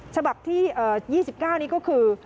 ฉบับที่๒๙นี้ก็คือ